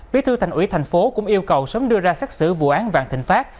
bí thư thành ủy tp hcm cũng yêu cầu sớm đưa ra xác xử vụ án vạn thịnh pháp